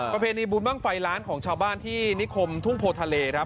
ประเพณีบุญบ้างไฟล้านของชาวบ้านที่นิคมทุ่งโพทะเลครับ